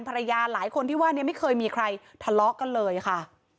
หลายคนที่ว่าเนี่ยไม่เคยมีใครทะเลาะกันเลยค่ะ